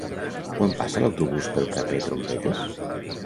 Quan passa l'autobús pel carrer Trompetes?